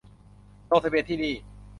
ลงทะเบียนที่นี่